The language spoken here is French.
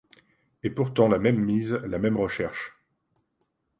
Et pourtant la même mise, la même recherche.